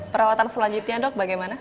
perawatan selanjutnya dok bagaimana